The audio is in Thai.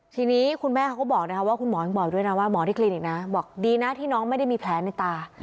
ทีนี้คุณแม่เขาก็บอกนะคะว่าคุณหมอยังบอกด้วยนะว่าหมอที่คลินิกนะบอกดีนะที่น้องไม่ได้มีแผลในตา